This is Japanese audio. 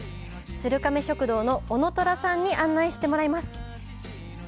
鶴亀食堂の男乕さんに、案内してもらいます！